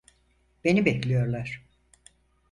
Beni bekliyorlar.